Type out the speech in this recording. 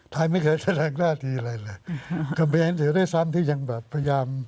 ไทยไม่เคยแสดงหน้าทีอะไรเลยกำแพงเดียวด้วยซ้ำที่ยังแบบพยายาม